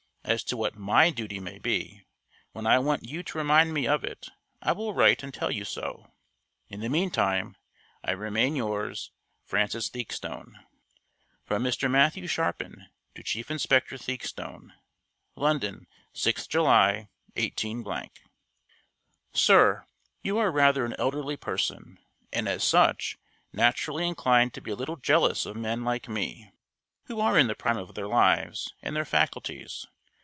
As to what my duty may be, when I want you to remind me of it, I will write and tell you so. In the meantime, I remain yours, FRANCIS THEAKSTONE. FROM MR. MATTHEW SHARPIN TO CHIEF INSPECTOR THEAKSTONE. London, 6th July, 18 . SIR You are rather an elderly person, and as such, naturally inclined to be a little jealous of men like me, who are in the prime of their lives and their faculties.